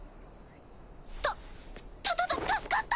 たたたた助かった！